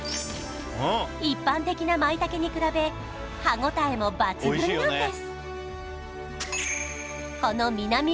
一般的な舞茸に比べ歯応えも抜群なんです